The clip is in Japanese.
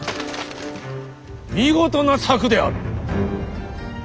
見事な策である。